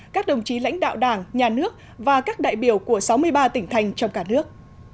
các đồng chí lãnh đạo đảng nhà nước và các đại biểu của sáu mươi ba tỉnh thành trong cả nước